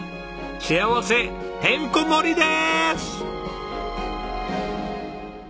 幸せてんこ盛りです！